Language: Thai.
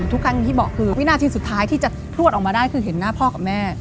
ทุกครั้งอย่างที่บอกคือวินาทีสุดท้ายที่จะพลวดออกมาได้คือเห็นหน้าพ่อกับแม่